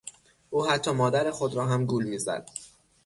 او حتی مادر خود را هم گول میزد.